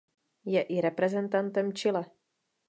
Je i reprezentantem Chile.